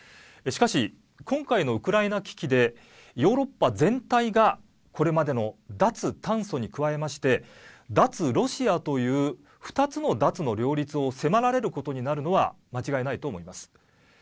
しかし、今回のウクライナ危機でヨーロッパ全体がこれまでの脱炭素に加えまして脱ロシアという２つの脱の両立を迫られることになるのは間違いないと思います。